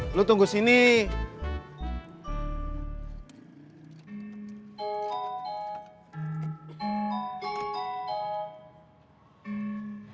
kalau tidak me nig ini belum berhargaoris